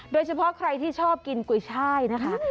โดยเฉพาะใครที่ชอบกินกุยช่ายนะคะ